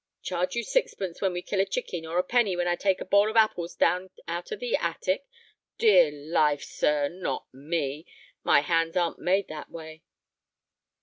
Charge you sixpence when we kill a chicken, or a penny when I take a bowl of apples down out of the attic? Dear life, sir, not me! My hands aren't made that way."